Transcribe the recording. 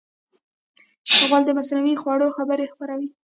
غول د مصنوعي خوړو خبر خپروي.